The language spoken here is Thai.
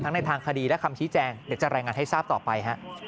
ในทางคดีและคำชี้แจงเดี๋ยวจะรายงานให้ทราบต่อไป